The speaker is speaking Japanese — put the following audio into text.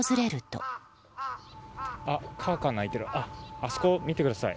あそこ見てください。